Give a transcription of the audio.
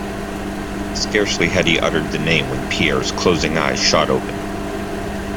Scarcely had he uttered the name when Pierre's closing eyes shot open.